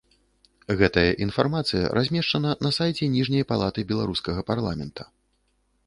Гэтая інфармацыя размешчана на сайце ніжняй палаты беларускага парламента.